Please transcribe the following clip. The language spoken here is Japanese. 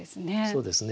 そうですね。